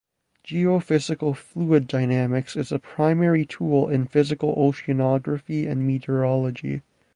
Geophysical fluid dynamics is a primary tool in physical oceanography and meteorology.